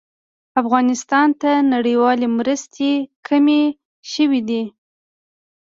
افغانستان ته نړيوالې مرستې کمې شوې دي